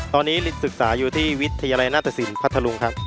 ตอนนี้ศึกษาอยู่ที่วิทยาลัยหน้าตสินพัทธรุงครับ